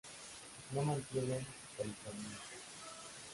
No mantienen policromía.